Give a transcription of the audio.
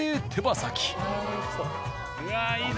うわいいな。